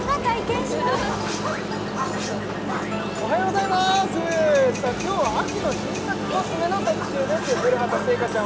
おはようございますさあ今日は秋の新作コスメの特集です古畑星夏ちゃん